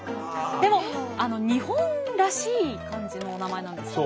でも日本らしい感じのお名前なんですよね。